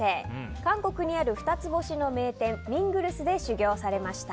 韓国にある二つ星の名店ミングルスで修業されました。